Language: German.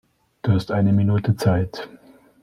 Du hast eine Minute Zeit.